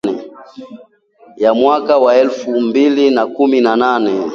ya mwaka wa alfu mbili na kumi na nane